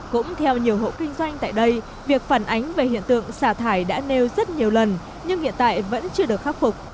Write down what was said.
cũng theo nhiều hộ kinh doanh tại đây việc phản ánh về hiện tượng xả thải đã nêu rất nhiều lần nhưng hiện tại vẫn chưa được khắc phục